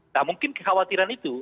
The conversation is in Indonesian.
nah mungkin kekhawatiran itu